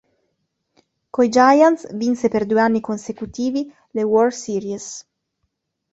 Coi Giants vinse per due anni consecutivi le World Series.